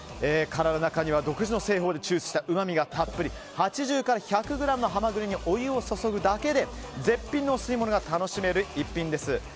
殻の中には独自の製法で抽出したうまみがたっぷり８０から１００ｇのハマグリにお湯を注ぐだけで絶品のお吸い物が楽しめる逸品です。